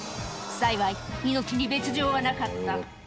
幸い、命に別状はなかった。